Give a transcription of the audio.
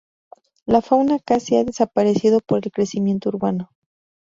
La fauna casi ha desaparecido por el crecimiento urbano.